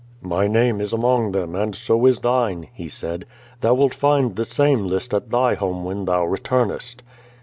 "My name is among them, and so is thine," he said. "Thou wilt find the same list at thy home when ihou retumest.'